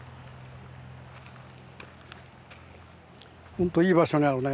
ほんといい場所にあるね。